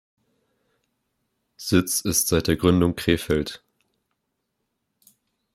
Sitz ist seit der Gründung Krefeld.